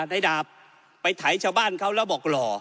ดาบไปไถชาวบ้านเขาแล้วบอกหล่อ